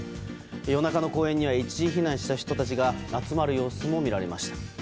夜中の公園には一時避難した人たちが集まる様子も見られました。